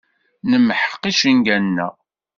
Nemḥeq icenga-nneɣ.